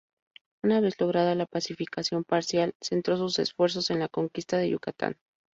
Una vez lograda la pacificación parcial, centró sus esfuerzos en la conquista de Yucatán.